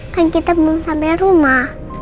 kan kita belum sampai rumah